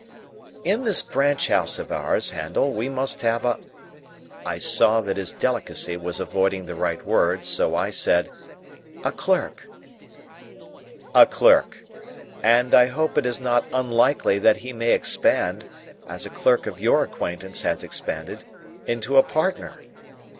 "In this branch house of ours, Handel, we must have a—" I saw that his delicacy was avoiding the right word, so I said, "A clerk." "A clerk. And I hope it is not at all unlikely that he may expand (as a clerk of your acquaintance has expanded) into a partner.